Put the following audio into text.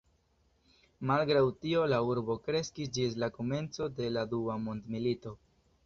Malgraŭ tio, la urbo kreskis ĝis la komenco de la Dua mondmilito.